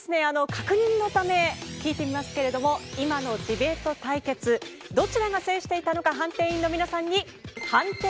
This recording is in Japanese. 確認のため聞いてみますけれども今のディベート対決どちらが制していたのか判定員の皆さんに判定をして頂きます。